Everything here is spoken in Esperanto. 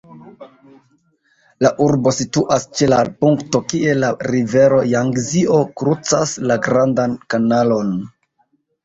La urbo situas ĉe la punkto kie la rivero Jangzio krucas la Grandan Kanalon.